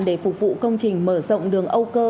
để phục vụ công trình mở rộng đường âu cơ